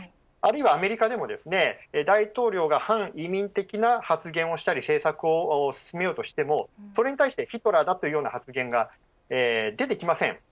あるいはアメリカでも大統領が反移民的な発言をしたり政策を進めようとしてもそれに対してヒトラーだというような発言が出てきません。